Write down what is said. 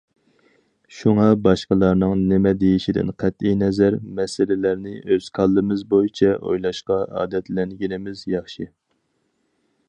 شۇڭا باشقىلارنىڭ نېمە دېيىشىدىن قەتئىينەزەر، مەسىلىلەرنى ئۆز كاللىمىز بويىچە ئويلاشقا ئادەتلەنگىنىمىز ياخشى.